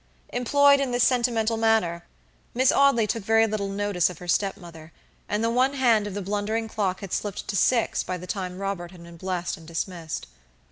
Employed in this sentimental manner, Miss Audley took very little notice of her step mother, and the one hand of the blundering clock had slipped to six by the time Robert had been blessed and dismissed.